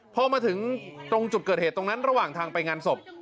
พอมาถึงตรงจุดเกิดเหตุตรงนั้นระหว่างทางไปงานศพ